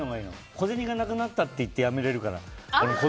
小銭がなくなったってやめられるから。